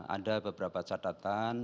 ada beberapa catatan